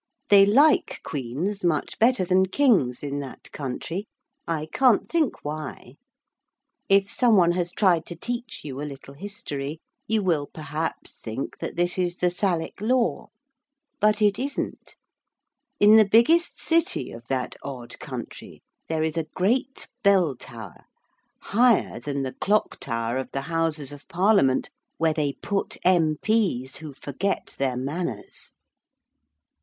They like queens much better than kings in that country. I can't think why. If some one has tried to teach you a little history, you will perhaps think that this is the Salic law. But it isn't. In the biggest city of that odd country there is a great bell tower (higher than the clock tower of the Houses of Parliament, where they put M.P.'s who forget their manners).